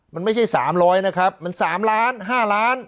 มันไม่ใช่๓๐๐นะครับมัน๓ล้าน๕ล้าน